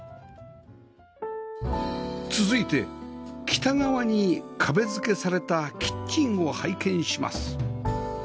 続いて北側に壁付けされたキッチンを拝見します